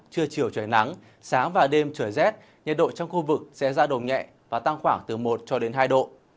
trưa chiều trời nắng sáng và đêm trời rét nhiệt độ trong khu vực sẽ ra đồng nhẹ và tăng khoảng từ một hai độ